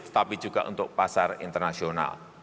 tapi juga untuk pasar internasional